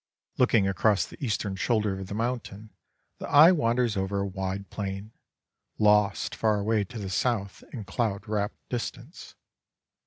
Looking across the eastern shoulder of the mountain, the eye wanders over a wide plain, lost far away to the south in cloud wrapt distance.